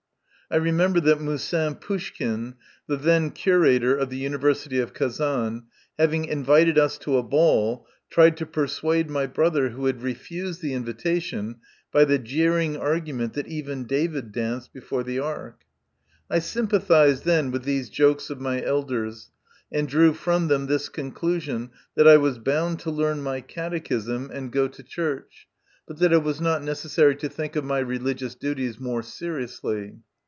I remember that Moussin Poushkin, the then curator of the University of Kazan, having invited us to a ball, tried to persuade my brother, who had refused the invitation, by the jeering argument that even David danced before the Ark. I sympathised then with these jokes of my elders, and drew from them this conclusion, that I was bound to learn my catechism, and go to MY CONFESSION. 3 church, but that it was not necessary to think of my religious duties more seriously.